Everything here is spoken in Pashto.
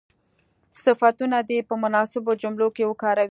صفتونه دې په مناسبو جملو کې وکاروي.